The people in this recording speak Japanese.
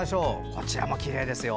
こちらもきれいですよ。